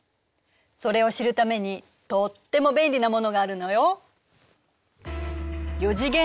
それを知るためにとっても便利なものがあるのよ。